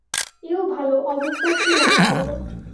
এও ভালো, অবজ্ঞার চেয়ে রাগ ভালো।